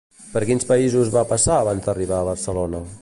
Per quins països va passar abans d'arribar a Barcelona?